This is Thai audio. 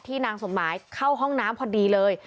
นางสมหมายเข้าห้องน้ำพอดีเลย